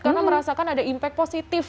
karena merasakan ada impact positif